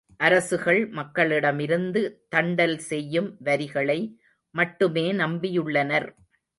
அரசுகள் மக்களிடமிருந்து தண்டல் செய்யும் வரிகளை மட்டுமே நம்பியுள்ளனர்.